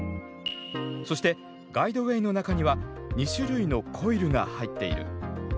そしてガイドウェイの中には２種類の「コイル」が入っている。